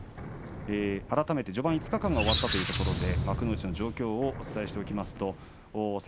改めて序盤５日間が終わったところで幕内の状況を振り返っていきます。